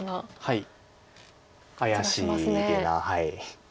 はい。